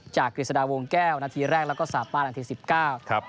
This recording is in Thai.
กฤษฎาวงแก้วนาทีแรกแล้วก็สาป้านาทีสิบเก้าครับ